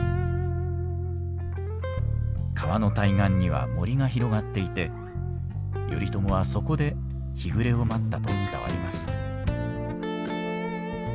川の対岸には森が広がっていて頼朝はそこで日暮れを待ったと伝わります。